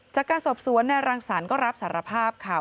จากการสอบสวนนายรังสรรค์ก็รับสารภาพค่ะ